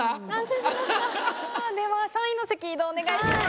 では３位の席へ移動お願いします。